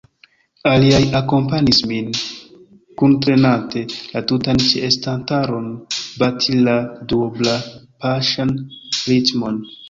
Aliaj akompanis min, kuntrenante la tutan ĉeestantaron bati la duoblapaŝan ritmon.